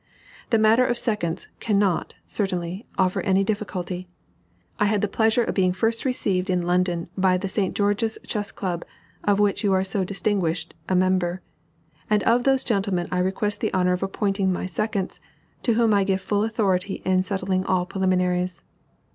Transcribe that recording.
The matter of seconds cannot, certainly, offer any difficulty. I had the pleasure of being first received in London by the St. George's Chess Club, of which you are so distinguished a member; and of those gentlemen I request the honor of appointing my seconds, to whom I give full authority in settling all preliminaries.